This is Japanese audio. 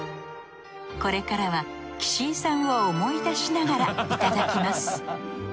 これからは岸井さんを思い出しながらいただきます